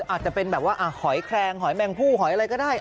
อาจจะเป็นแบบว่าหอยแครงหอยแมงผู้หอยอะไรก็ได้